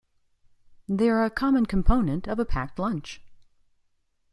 They are a common component of a packed lunch.